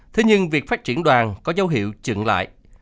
thế nhưng việc phát triển đoàn có dấu hiệu chứng lại